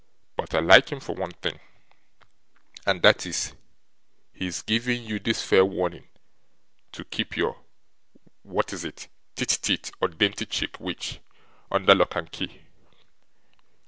'But I like him for one thing, and that is, his giving you this fair warning to keep your what is it? Tit tit or dainty chick which? under lock and key.